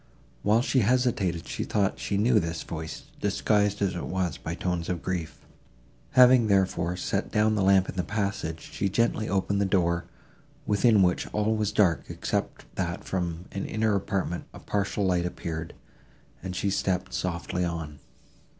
While she hesitated she thought she knew this voice, disguised as it was by tones of grief. Having, therefore, set down the lamp in the passage, she gently opened the door, within which all was dark, except that from an inner apartment a partial light appeared; and she stepped softly on.